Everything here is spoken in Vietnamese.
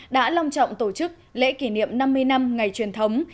đã long trọng tổ chức lễ kỷ niệm năm mươi năm ngày truyền thống